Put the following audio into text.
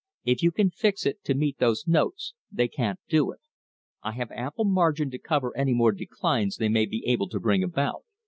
"If you can fix it to meet those notes, they can't do it. I have ample margin to cover any more declines they may be able to bring about.